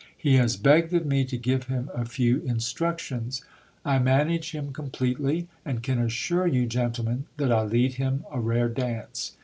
He has begged of me to give him a few instructions. I manage him completely ; and can assure you, gentlemen, that I lead him a rare dance.